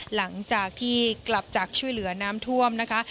หลังจากที่กลับจากช่วยเหลือน้ำท่วมนะคะ